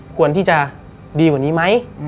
ควรที่จะดีกว่านี้ไหม